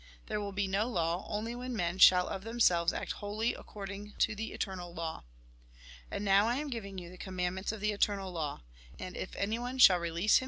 There will be no law, only when men shall of them selves act wholly according to the eternal law. And now I am giving you the commandments of the eternal law. And if anyone shall release him Lk.